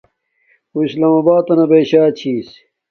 اُو اسلام آبات تنا بیشا چھس